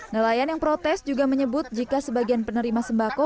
nelayan yang protes juga menyebut jika sebagian penerima sembako